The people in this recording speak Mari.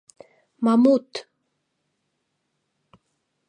Мамут!